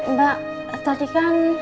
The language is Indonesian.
mbak tadi kan